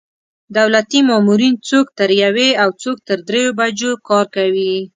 دولتي مامورین څوک تر یوې او څوک تر درېیو بجو کار کوي.